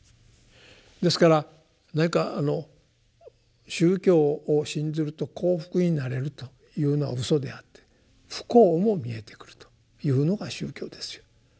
ですから何か宗教を信ずると幸福になれるというのはうそであって不幸も見えてくるというのが宗教ですよ。